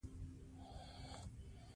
کیسې څه ښېګڼې لري له کیسو نه څه زده کوو.